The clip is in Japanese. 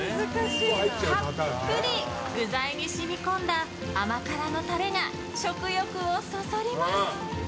たっぷり具材に染み込んだ甘辛のタレが食欲をそそります。